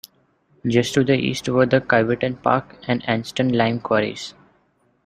Just to the east were the Kiveton Park and Anston lime quarries.